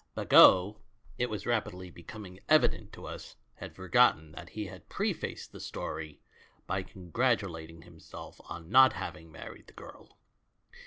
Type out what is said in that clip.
Bagot, it was rapidly becoming evident to us, had forgotten that he had prefaced the story by congratulating himself on not having married the girl.